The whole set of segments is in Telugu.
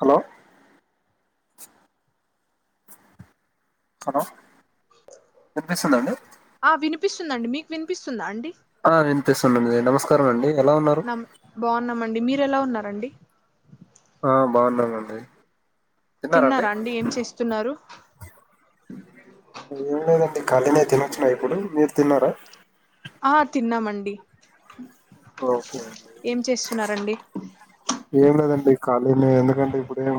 హలో హలో వినిపిస్తుందా అండి ఆ వినిపిస్తుందండి మీకు వినిపిస్తుందా అండి ఆ వినిపిస్తుంది నమస్కారం అండి ఎలా ఉన్నారు న బాగున్నామండి మీరు ఎలా ఉన్నారండి హా బాగున్నామండీ తిన్నారా అండి ఏం చేస్తున్నారు ఏం లేదండి ఖాళీనే తినొచ్చుిన ఇప్పుడు మీరు తిన్నారా ఆ తిన్నామండి ఓకే ఏం చేస్తున్నారండి ఏం లేదండి ఖాళీనే ఎందుకంటే ఇప్పుడు ఏం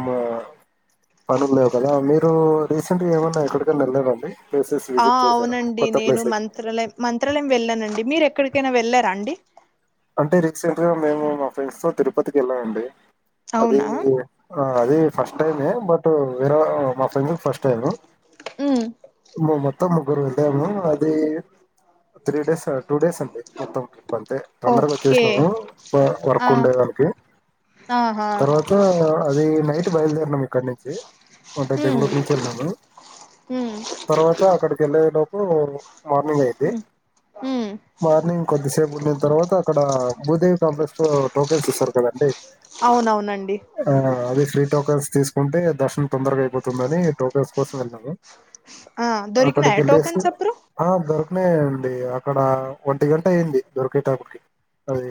పనులు లేవు కదా మీరు రీసెంట్ గా ఏమన్నా ఎక్కడికనా వెళ్ళదండి ఆ అవునండి నేను మంత్రాలయం మంత్రాలయం వెళ్ళానండి మీరు ఎక్కడికైనా వెళ్ళారా అండి అంటే రిక్సెంట్ గా మేము మా ఫ్రెండ్స్ తో తిరుపతికి వెళ్ళామండి అది అవునా అది ఫస్ట్ టైమే బట్టు వేర మా ఫ్రెండ్స్ కి ఫస్ట్ టైమ్ ఉమ్ మ మొత్తం ముగ్గురు వెళ్ళాము అది త్రీ డేస్ టూ డేస్ అండి మొత్తం ట్రిప్ అంతే తొందరగా ఓకే వచ్చేసినాము ఆ వర్క్ ఉండేదానికి ఆహా తర్వాత అది నైట్ బయలుదేరినాం ఇక్కడ నుంచి అంటే ఉమ్ బెంగళూరు నుంచి వెళ్ళాము ఉమ్ తర్వాత అక్కడికి వెళ్ళే లో ఓ మార్నింగ్ అయితే ఉమ్ ఉమ్ మార్నింగ్ కొద్దిసేపు ఉనం తరువాత అక్కడ భూదేవి కాంప్లెక్స్ లో టోకెన్స్ ఇస్తారు కదండి అవునవునండి టోకన్స్ తీసుకుంటే దర్శనం తొందరగా అయిపోతుందని టోకెన్స్ కోసం వెళ్ళాము ఆ అక్కడికి దొరికినాయా వెళ్లేసి టోకన్స్ అప్పుడు హదో నే అడి అక్కడ ఒంటి గంట అయ్యంది దొరికేటప్పుడికి అది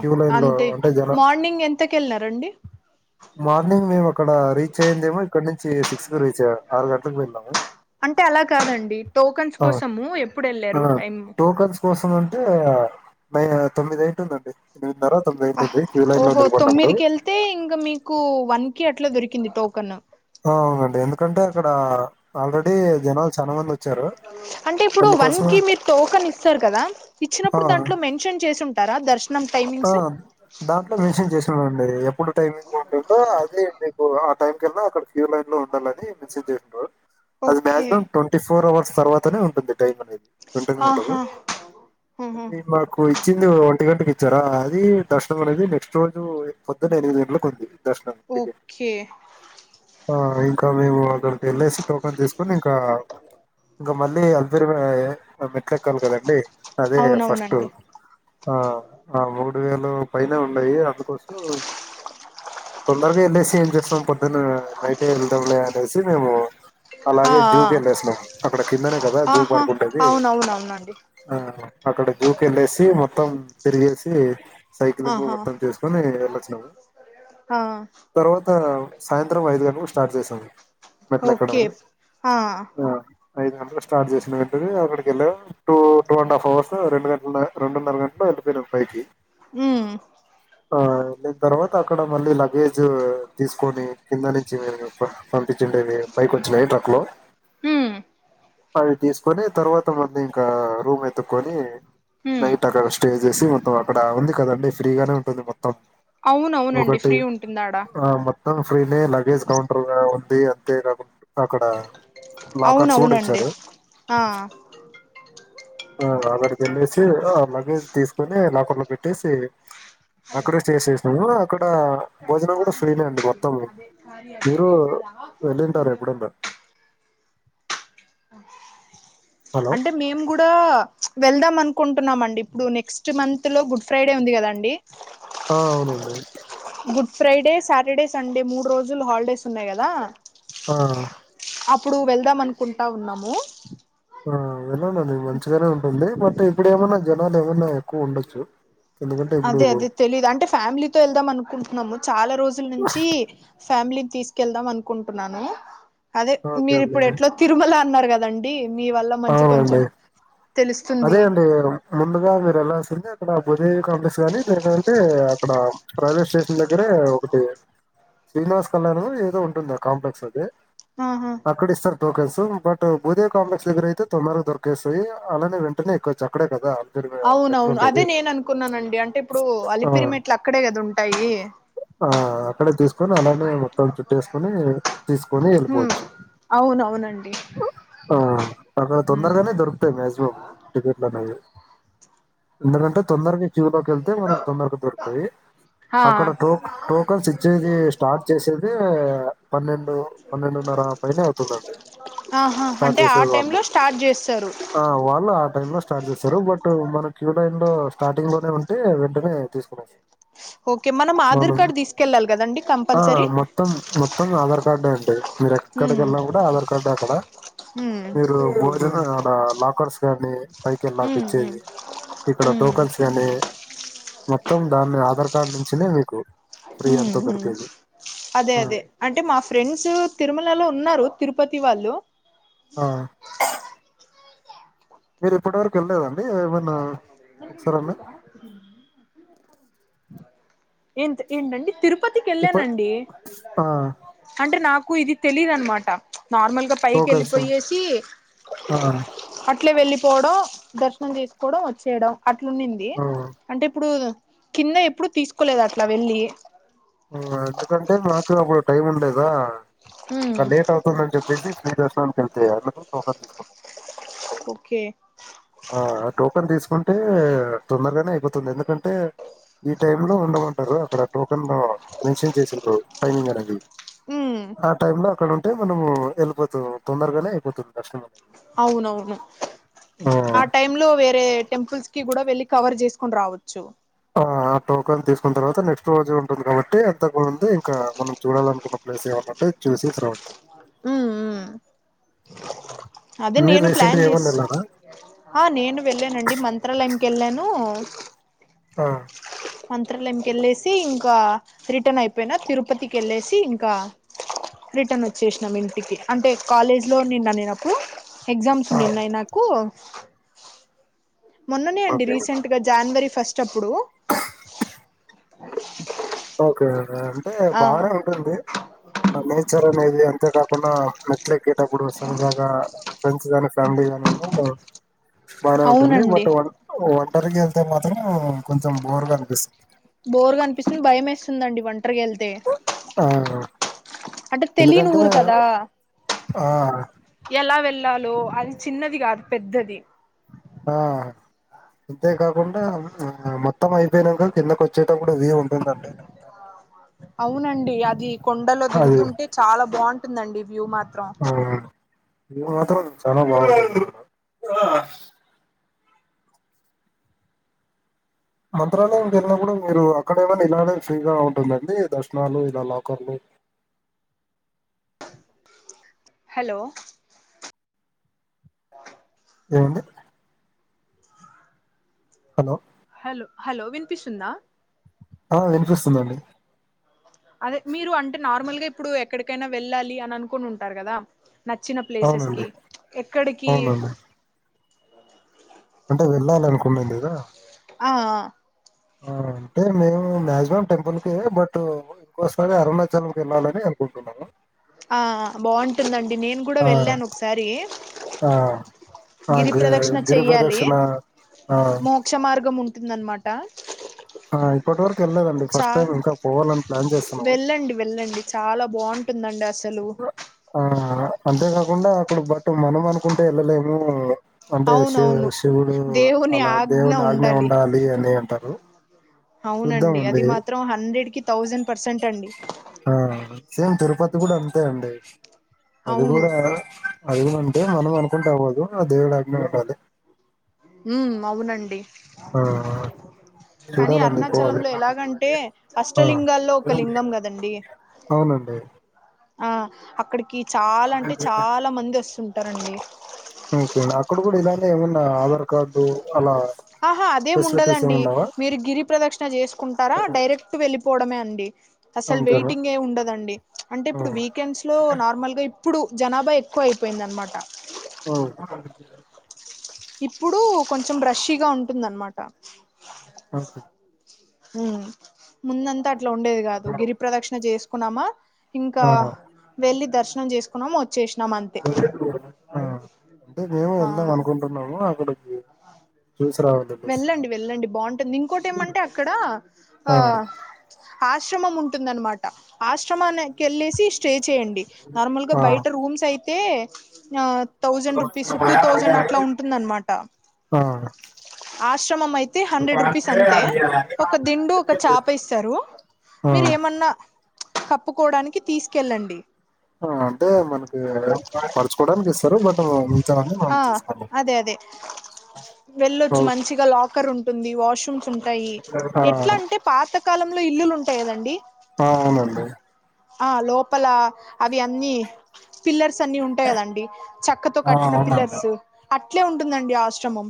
క్యూ లైన్ లో అంటే జనం మార్నింగ్ ఎంతకెళ్ళినారండి మార్నింగ్ మేము అక్కడ రీచ్ అయ్యిందేమో ఇక్కడ నుంచి సిక్స్ కి రీచ్ అయము ఆరు గంటలకు వెళ్ళాము అంటే అలా కాదండి టోకన్స్ హ కోసము ఎప్పుడు వెళ్ళారు హ టైమ్ టోకన్స్ కోసం అంటే మ తొమ్మిది అయితుందండి తిని ఆ ఓహో తొమ్మిదికి వెళ్తే ఇంకా మీకు వన్ క అ అట్లా దొరికింది టోకన్ అవునండి ఎందుకంటే అక్కడ ఆల్రెడీ జనాలు చానా మంది వచ్చారు. అంటే ఇప్పుడు వన్ అందుకోసమే కి మీరు టోకన్ ఇస్తారు కదా ఆ ఇచ్చినప్పుడు దాంట్లో మెన్షన్ చేసి ఉంటారా దర్శనం ఆ టైమింగ్స్ దాంట్లో మేసేజ్ చేస్తున్నారండి ఎప్పుడు టైమింగ్ ఉంటుందో అదే మీకు టైమింగ్స్ ఇకన్నా అక్కడికి క్యూలైన్లో ఉండాలని మెసేజ్ చేసింరు. అది ఓకే మ్యాక్సిమం ట్వంటీ ఫోర్ అవర్స్కి. తర్వాతనే ఉంటుంది. టైం అనేది వెంటనే ఉండదు. ఆహా ఆహా అది మాకు ఇచ్చింది ఒ ంటి గంటకి ఇచ్చారా అది దర్శనం అనేది నెక్స్ట్ రోజు పొద్దున్న ఎనిమిది గంటలకు ఉంది. దర్శనం టికెట్ ఓకే ఆ ఇంకా మేము అక్కడ వెళ్ళేసి టోకెన్ తీసుకొని ఇంకా ఇంకా మళ్ళీ అల్పిరి మె ఆ మెట్లెక్కాలి కదండి. అదే ఫస్ట్ అవునవునండి ఆ ఆ రెండు వేలు పైనే ఉన్నాయి అందుకోసం తొందరగా ఎళ్ళెసి ఏం చేస్తాం పొద్దున్న నైట్ వెళ్దాంలే అనేసి మేము ఆ అలాగే ఆ జూకి వెళ్ళేసినాం. అక్కడ కిందనే కదా ఆహా జూపార్క్ ఉంటది. అవునవునవునండి ఆ అక్కడ జూకేళ్ళేసి మొత్తం తిరిగేసి సైక్లింగ్ ఆహా మొత్తం చేసుకొని వెళ్ళొచ్చినాము. ఆ తర్వాత సాయంత్రం ఐదు గంటలకు స్టార్ట్ చేసాం. ఓకే ఆ [unintelligible] స్టార్ట్ చేసిన వెంటనే అక్కడికి వెళ్ళాం. Two two and half hours రెండు గంటల రెండున్నర గంటల్లో వెళ్ళిపోయినాం పైకి. హ్మ్ ఆ నేను తర్వాత అక్కడ మళ్ళీ లగేజ్ తీసుకొని కింద నుంచి వెరు అబ్బా పంపిచ్చిఉండేది పైకి వ వచ్చినయు ట్రక్లో. ఉమ్ అవి తీసుకోని తర్వాత మళ్లీ ఇంకా రూమ్ ఎతుకొని ఉమ్ నైట్ అక్కడ స్టే చేసి తో అక్కడ ఉంది కదండి ఫ్రీగానే ఉంటుంది మొ త్తం అవునవునండి ఒకటి ఫ్రీ ఉంటుందాడా ఆ మొత్తం ఫ్రీనే లగేజ్ కౌం ఆ ఉంది అంతే నాకు అక్కడ లాకర్స్ కూడా అవునవునండి. ఇచ్చారు ఆ ఆ అక్కడికి వెళ్ళేసి, ఆ లగేజ్ తీసుకొని లాకర్ లో పెట్టేసి అక్కడే స్టే చేసినము. అక్కడ భోజనం కూడా ఫ్రీనే అండి మొత్తం. వినిపియట్లే మీరు అది ఆఫీస్ వెళ్ళింటారు నుంచి [inaudible] ఎప్పుడన్నా ఆ హలో అంటే మేము కూడా వె ళ్దాం అనుకుంటున్నాం అండి. ఇప్పుడు నెక్స్ట్ మంత్ లో గుడ్ ఫ్రైడే ఉంది కదండి. ఆ అవునండి. గుడ్ ఫ్రైడే, సాటర్డే, సండే మూడు రోజులు హాలిడేస్ ఉన్నాయి కదా. ఆ అప్పుడు వెళ్దాం అనుకుంటా ఉన్నాము ఆ విళ్ళడిండి మంచిగానే ఉంటుంది బట్ ఇప్పుడు ఏమన్నా జనాలు ఏమన్నా ఎక్కువ ఉండొచ్చు ఎందుకంటే ఇప్పుడు అదే అదే తెలిదు అంటే ఫ్యామిలీతో వెళ్దాం అనుకుంటున్నాము చాలా రోజుల నుంచి ఫ్యామిలీ తీసుకెళ్దాం అనుకుంటున్నాను అదే ఓకే మీరు అండి ఇప్పుడు ఎట్లో తిరుమల అన్నారు కదా లండి మీ వల్ల మంచి కొంచెం అవునండి అదే తెలుస్తుంది అండి ముందుగా మీరలా అక్కడ భూదేవి కాంప్లెక్స్ గానీ లేనంటే అక్కడ రైవే స్టేషన్ దగ్గరే ఒకటి శ్రీనివాస్ కళ్యాణం ఏదో ఉంటుంది ఆ కాంప్లెక్స్ అది ఆహా అక్కడ ఇస్తారు టోకెన్స్ బట్ బూదేవి కాంప్లెక్స్ దగ్గర అయితే తొందారగా దొర కేస్తాది అలాంటి వెంటనే ఎక్కచు అక్కడే కదా మెట్లు అవునవును ఉండేది అదే నేను అనుకున్నానండి అంటే ఇప్పుడు ఆ అలిపిరిమెట్లు అక్కడే కదా ఉంటాయి ఆ అక్కడే అలానే అ చుట్టేసుకుని తీసుకొని హ్మ్ వెళ్ళిపోవచ్చు అవునవునండి ఆ అక్కడ హ్మ్ తొందరగానే దొరుకుతాయి మ్యాక్సిమం ట్లున్నాయి ఎందుకంటే తొందరగా లోకి వెళ్తే మన తొందరగా దొరుకుతాయి ఆ అక్కడ టోకన్స్ ఇచ్చేది స్టార్ట్ చేసేది పన్నెండు పన్నెండున్న పైనే అవుతుందిండి ఆహా స్టార్ట్ అంటే ఆ చేసేది టైమ్ వాళ్ళు లో స్టార్ట్ చేస్తారు వా ఆ టైమ్ లో స్టార్ట్ చేస్తారు బట్ మనకి క్యు లో స్టార్టింగ్ లోనే ఉంటే వెంటనే తీసుకునేస్తాం ఓకే ఆధార్ మనం కార్డ్ తీసుకెళ్ళాలి కదండి ఆ కంపల్సరీ మొత్తం మొత్తం ఆధార్ కార్డే అండి మీరు ఎక్కడికి హ్మ్ వెళ్ళా కూడా ఆధార్ కార్డే అక్కడ హ్మ్ మీరు భోజనడలా ఒక కానీ పైకి వెళ్ళక హ్మ్ హ్మ్ ఇచ్చేది ఇక్కడ హ్మ్ టోకన్స్ కానీ మొత్తం దాన్ని ఆధార్ కార్డ్ నుంచినే మీకు ఫ్రీ అంతా దొరికేది అదే ఉమ్. అదే అంటే మా ఫ్రెండ్స్ తిరుమలలో ఉన్నారు తిరుపతి వాళ్ళు ఆ మీరు ఇప్పటి వరకు వెళ్ళలేదండి ఆ ఒకసార అన్న ఏంత ఏంటండి తిరు తిరుపతికి ఇప్పుడు వెళ్ళానండి ఆ అంటే నాకు ఇది తెలిదునమాట నార్మల్గా పైకి టోకన్స్ ఆ వెళ్ళిపోయేసి ఆ, ఇట్లే వెళ్లిపోవడం దర్శనం చేస్ కూడా వచ్చేడం అట్లన్నింది అంటే ఇప్పుడు కింద ఎప్పుడు తీసుకోలేదు అట్ల వెళ్ళి ఆ ఎందుకంటే మాకు అప్పుడు టైం ఉండేదా ఉమ్ ఇంక లేట్ అవుతుందని చెప్ ప్రజీ ఫ్రీ దర్శనానికి వెళ్తే అందుకు టోకన్ తీసుకుం ఓకే టోకెన్ తీసుకుంటే తొందరగానే అయిపోతుంది. ఎందుకంటే ఈ టైం లో ఉండమంటారు. అక్కడ టోకెన్ మెన్షన్ చేసిండ్రు టైమింగ్ అది ఉమ్ ఆ టైమ్ లోక్కడ ఉన్ అంటే మనము వెళ్ళిపోతుం తొందరగానే అయిపోతుంది దర్సనం. అవునవును ఆ టైమ్ లో వేరే టెంపుల్స్ కి కూడా వెళ్ళి కవర్ చేసుకుని రావద్ ఆ ఆ టోకెన్ తీసుకున్న తర్వాత నెక్స్ట్ రోజు టుంది కాబట్టి అంతకుముందు ఇంకా మనం చూడాలనుకున్న ప్లేస్ ఏమన్న ఉంటే చూసేసిరవచ్చు. ఉమ్ ఉ అదే మీరు నేను ప్లాన్ రీసెంట్గా ఏమన్నా చేస్ వెళ్ళారా ఆ నేను వెళ్ళానండి. మంత్రాలయంకి వెళ్ళాను. ఆ మంత్రాలయంకి వెళ్ళేసి ఇంకా రిటర్న్ అయిపోయిన. తిరుపతికి వెళ్ళేసి ఇంకా రిటర్న్ వచ్చేసినాం. ఇంటికి అంటే కాలేజ్ లో నిన్న నేనప్పుడు ఎగ్జామ్స్ ఆ ఉన్నిన్నాయి నాకు మొన్ననే అండి ఓకే రీసెంట్ గా జనవరి ఫస్ట్ అప్పుడు ఓకే అంటే ఆ బాగనే ఉంటుంది నేచర్ అనేది అ అంతేకాకుండా మెట్లు ఎక్కేటప్పుడు సరదాగా ఫ్రెండ్స్ గానీ ఫ్యామిలీ గాని ఏ బానే ఉంటుంది అవునండి బట్ వన్ వ టరికి వెళ్తే మాత్రం కొంచెం బోరుగా అనిపిస్తుంది. బోర్ గానిపిస్తుంది భయం వేస్తుందిండి వన్ ఒంటరిగా వెళ్తే ఆ అంటే తెలియని ఎందుకంటే ఊరు కదా ఆ ఎలా వెళ్ళాలో అది చిన్నది కాదు పెద్దది ఆ అంతేకాకుండా మొత్తం అయిపోయినంక కిందకి వచ్చేటప్పుడు కూడా ఇదే ఉంటుందంట నైట్ టైం అనేది అవునండి అది కొండలో దిగుతుంటే చాలా బాగుంట నండి వ్యూ మాత్ర ఆ మాత్ర చ బా మంత్రాలయం వెళ్ళిన కూడా మీరు అక్కడ ఏమైనా ఇలానే ఫ్రీగా ఉంటుందండి దర్శనాలు ఇలా లాకర్లు హలో అంట హలో హ హలో వినిపిస్తుందా ఆ వినిపిస్తుందండి అదే మీరు అంటే నార్మల్గా ఇప్పుడు ఎక్కడికైనా వెళ్ళాలి అని అనుకుని ఉంటారు కదా నచ్చిన ప్లేసెస్ అవునండి కి ఎక్కడికి అవునండి అంటే వెళ్ళాలి అనుకున్నంది కదా ఆ అంటే మేము మాక్సిమం టెంపుల్ కే బట్ ఇంకోసారి అరునా ఆ బాగుంటుందండి నేను కూడా ఆ, వెళ్ళాను ఒకసారి ఆ, ఆ, గిరి గి- ప్రదక్షిణ గిరి చెయ్యాలి ప్రదక్షిణ ఆ, మోక్ష మార్గం ఉంటుంద అనమాట కా ఆ పట్ ళ్ళదండి ఫస్ట్ టైం ఇంకా పోవాలని ప్లాన్ చేస్తన్నావు కట్ం అస్సలు అంతేకాకుండా అక్కడు బట్ మనం అనుకుంటే వెళ్ళలేము అంటే శి అవునవును శివుడు అలా దేవుని ఆజ్ఞ ఉండాలి అని అంటారు చూద్దాం అవునండి అది అండి మాత్రం హండ్రెడ్ కి థౌజండ్ పర్సెంట్ అండి ఆ సేమ్ తిరుపతి కూడా అంతే అండి అవును అదికూడా అదినంటే మనం అనుకుంటే అవ్వదు ఆ దేవు అగ్నే ఉండాలి ఉ అవునండి ఆ కానీ చూడాలండి పోవాలి అరుణాచలంలో ఎలాగంటే ఆ అష్టలింగాల్లో ఒక లింగం కదండి అవునండి ఆ అక్కడికి కి చాలా అంటే చాలా మంది వస్తుంది ఉంటారండి ఓకే అక్కడ కూడా ఇద ఏమన్నా ఆధార్ కార్డు అలా ఆహా అదే ఫెసిలిటీస్ ఏమి ఉండదండి ఉండవా మీరు గిరి ప్రదక్షిణ చేసుకుంటారా డైరెక్ట్ వెళ్ళిపోవడమే అండి డి అసలు అంతేనా వెయిటింగ్ ఏ ఉండదండి అంటే ఆ ఇప్పుడు వీకెండ్స్ లో నార్మల్ గా ఇప్పుడు జనాభా ఎక్కువ అయిపోయిందనమాట ఆ ఇప్పుడు కొంచెం రషీగా ఉంటుందనమాట ఆహా హు ముందంత అట్ లా ఉండేది కాదు గిరి ప్రదక్షిణ చేసు కున్నామా ఇంకా ఆ వెళ్ళి దర్శనం చేసుకున్నాం వ చ్చేసినాం అంతే ఆ అంటే మేము వెళ్దాం ఆ అనుకుంటున్నాము అక్కడ వెళ్ళండి వెళ్ళండి బాగుంటుంది ఇంకోటి ఏమంటే అక్కడ ఆ ఆశ్రమం ఉంటుందనమాట ఆశ్రమాని కేళ్ళేసి స్టే చేయండి నార్మల్ గా ఆ బయట రూమ్స్ అయి తే ఆ థౌజండ్ రూపీస్ టూ ఆ థౌజండ్ అట్లా ఉంటుంది అన్నమాట. ఆ ఆశ్రమం అయి తే హండ్రెడ్ రూపీస్ అంతే ఒక దిండు ఒక చాప ఇస్తారు. ఆ మీరు ఏమన్నా కప్పుకోడానికి తీసుకెళ్ళండి. ఆ అంటే మనకి పడుచుకోవడానికి ఇస్తారు బట్ మిగతావన్నీ మనం ఆ తీసుకోలేం అదే అదే వెళ్ళొచ్చు మంచిగా లాకర్ ఉం టుంది వాష్ రుమ్స్ ఉంటాయి ఆ ఎట్లా అంటే పాత కాలంలో ఇల్లులు ఉంటాయి కదండి. ఆ అవునండి ఆ లోపల అవి అన్నీ పిల్లర్స్ అన్ని ఉంటాయి కదండి చక్కతో ఆ కట్టిన అవునండి పిల్లర్స్ అట్ అట్లే ఉంటుందండి ఆశ్రమం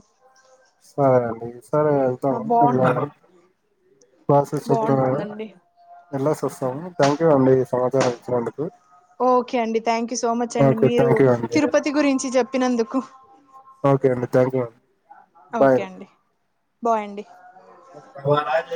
సరే అండి సరే ఎల్తాము బాగు ఇవాల ప్రాసెస్ చెప్తారా బాగుంటుందండి ఎల్లేసి వస్తాము థ్యాంక్ యూ అండి ఈ సమాచారం ఇచ్చినందుకు. ఓకే అండి థ్యాంక్ యూ సో మచ్ అండి ఓకే మీరు థ్యాంక్ యూ అండి తిరుపతి గురించి చెప్పినందుకు. ఓకే అండి థ్యాంక్ యూ అండి. ఓకే అండి. బాయండి. సాలయ